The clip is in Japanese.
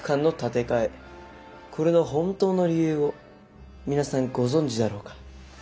これの本当の理由を皆さんご存じだろうか。